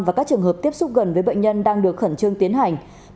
và các trường hợp tiếp xúc gần với bệnh nhân đang được khẩn trương tiến hành